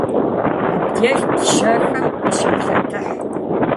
Абдеж бжьэхэм къыщалъэтыхь.